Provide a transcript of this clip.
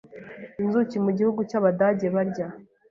Inzuki mu gihugu cy'Abadage barya